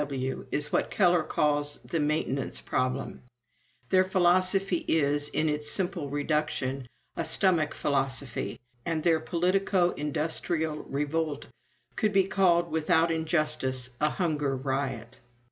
W.W. is what Keller calls the maintenance problem. Their philosophy is, in its simple reduction, a stomach philosophy, and their politico industrial revolt could be called without injustice a hunger riot.